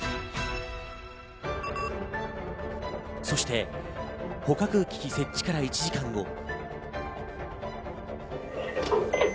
そして捕獲器設置から１時間後。